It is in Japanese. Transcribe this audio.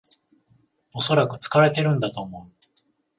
おそらく疲れてるんだと思う